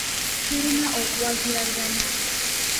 Tulina okuwagiragana